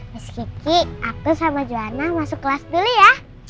miss gigi aku sama johana masuk kelas dulu ya